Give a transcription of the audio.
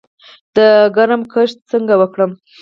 د کرم کښت څنګه وکړم؟